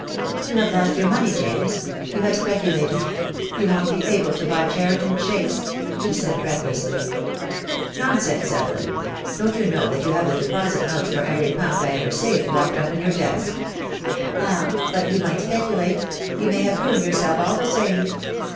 "You have lost your money, James — you have specu lated— you won't be able to buy Cheriton Chase," she said, breathlessly. "Nonsense, Evelyn. Don't you know that you have the deposit notes for every pound I ever saved locked up in your desk." 2l6 THE DAY WILL COME. "Ah, but you might speculate — you may have ruined yourself, all the same."